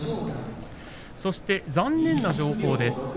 そして残念な情報です。